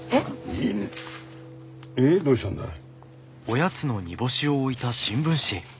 急にどうしたんだい？